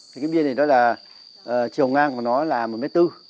cái bia này nó là chiều ngang của nó là một m bốn